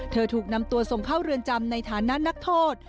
ถูกนำตัวส่งเข้าเรือนจำในฐานะนักโทษ